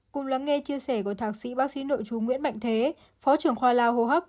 cùng lắng nghe chia sẻ của thạc sĩ bác sĩ nội trú nguyễn bệnh thế phó trưởng khoai lao hô hấp